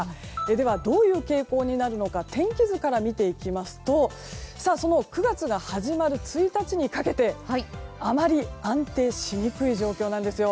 では、どういう傾向になるのか天気図から見ていきますと９月が始まる１日にかけてあまり安定しにくい状況なんですよ。